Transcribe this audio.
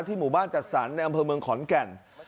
หมู่บ้านจัดสรรในอำเภอเมืองขอนแก่น